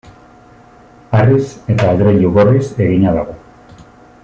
Harriz eta adreilu gorriz egina dago.